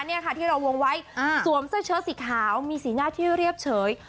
นี่ค่ะที่เราวงไว้สวมเสื้อเชิดสีขาวมีสีหน้าที่เรียบเฉย